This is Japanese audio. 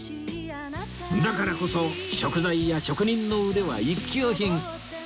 だからこそ食材や職人の腕は一級品